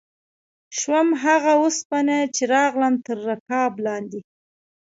شوم هغه اوسپنه چې راغلم تر رکاب لاندې